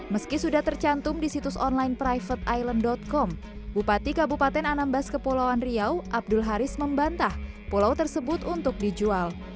meski sudah tercantum di situs online private island com bupati kabupaten anambas kepulauan riau abdul haris membantah pulau tersebut untuk dijual